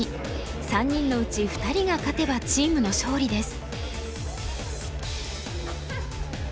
３人のうち２人が勝てばチームの勝利です。